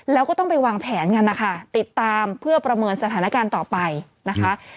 แล้วก็ต้องไปวางแผนกันนะคะติดตามเพื่อประเมินสถานการณ์ต่อไปนะคะ